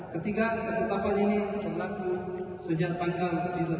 ketiga ketetapan ini berlaku sejak tanggal ditetapkan